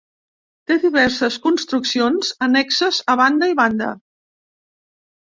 Té diverses construccions annexes a banda i banda.